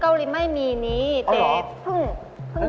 น้ำหยดลงหินน้ำหยดลงหิน